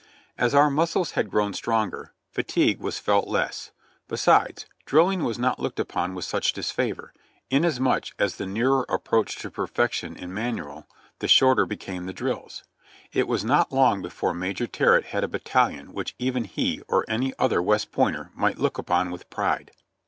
As our muscles had grown stronger, fatigue was felt less ; besides, drilling was not looked upon with such disfavor, inasmuch as the nearer approach to perfection in manual the shorter became the drills. It was not long before Major Terrett had a battalion which even he or any other West Pointer might look upon with pride.